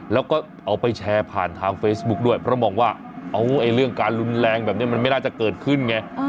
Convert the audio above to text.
แล้วก็เอาไปแชร์ผ่านทางเฟซบุ๊คด้วยเพราะมองว่าเรื่องการรุนแรงแบบนี้มันไม่น่าจะเกิดขึ้นไง